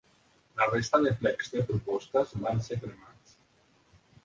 La resta de plecs de propostes van ser cremats.